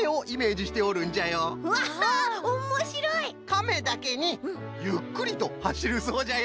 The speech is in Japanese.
かめだけにゆっくりとはしるそうじゃよ。